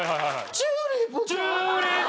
チューリップ！